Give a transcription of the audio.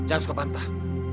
sani jangan suka bantah